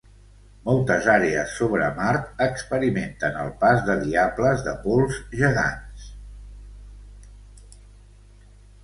Moltes àrees sobre Mart experimenten el pas de diables de pols gegants.